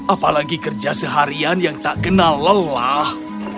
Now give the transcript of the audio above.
apalagi kerja seharian yang tak kenal lelah